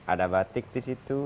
ada batik di situ